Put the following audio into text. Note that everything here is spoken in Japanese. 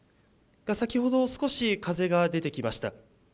先ほど、少し風が出てきました。